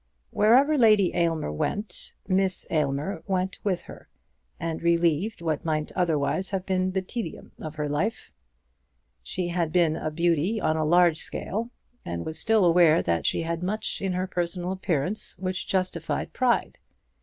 Wherever Lady Aylmer went Miss Aylmer went with her, and relieved what might otherwise have been the tedium of her life. She had been a beauty on a large scale, and was still aware that she had much in her personal appearance which justified pride.